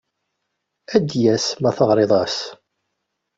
Ad d-yas ma teɣriḍ-as.